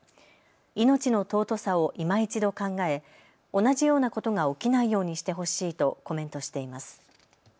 命の尊さをいま一度考え、同じようなことが起きないようにしてほしいとコメントしています。